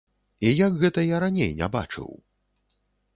І як гэта я раней не бачыў.